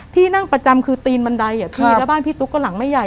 ที่นั่งประจำคือตีนบันไดอ่ะพี่แล้วบ้านพี่ตุ๊กก็หลังไม่ใหญ่